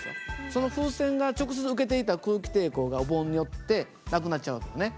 その風船が直接受けていた空気抵抗がお盆によってなくなっちゃう訳よね。